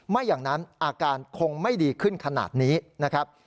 ไม่อย่างนั้นอาการคงไม่ดีขึ้นขนาดนี้นะครับ